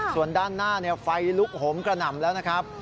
ส่วนด้านหน้าไฟลุกหมกระหน่ำแล้ว